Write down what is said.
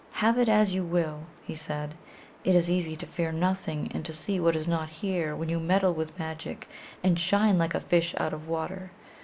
"Have it as you will," he said. "It is easy to fear nothing and to see what is not here when you meddle with magic, and shine like a fish out of water.